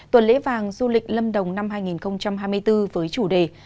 tuần lễ vàng du lịch lâm đồng năm hai nghìn hai mươi bốn với chủ đề